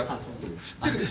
知ってるでしょ。